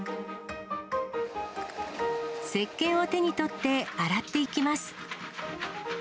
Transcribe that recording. せっけんを手に取って洗っていきます。